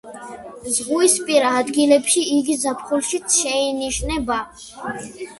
ზღვისპირა ადგილებში იგი ზაფხულშიც შეინიშნება.